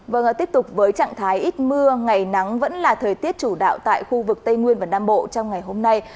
vâng tiếp tục với trạng thái ít mưa ngày nắng vẫn là thời tiết chủ đạo tại khu vực tây nguyên và nam bộ trong ngày hôm nay